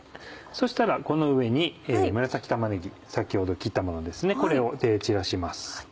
そしたらこの上に紫玉ねぎ先ほど切ったものこれを散らします。